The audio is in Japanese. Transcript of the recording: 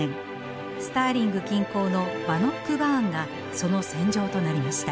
スターリング近郊のバノックバーンがその戦場となりました。